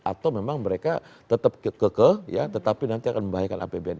atau memang mereka tetap kekeh ya tetapi nanti akan membahayakan apbn